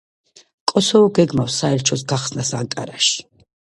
კოსოვო გეგმავს საელჩოს გახსნას ანკარაში.